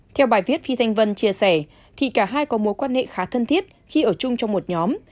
theo bài viết phi thanh vân chia sẻ thì cả hai có mối quan hệ khá thân thiết khi ở chung trong một nhóm